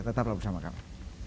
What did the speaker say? tetap bersama kami